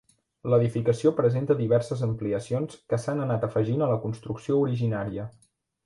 L'edificació presenta diverses ampliacions que s'han anat afegint a la construcció originària.